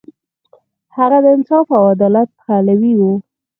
هغه د انصاف او عدالت پلوی و.